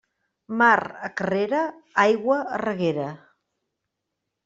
Mar a carrera, aigua a reguera.